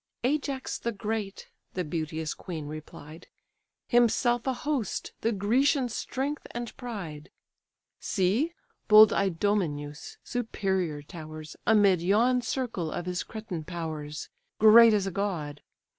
"Ajax the great, (the beauteous queen replied,) Himself a host: the Grecian strength and pride. See! bold Idomeneus superior towers Amid yon circle of his Cretan powers, Great as a god!